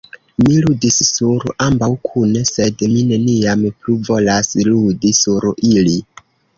Mi ludis sur ambaŭ kune; sed mi neniam plu volas ludi sur ili.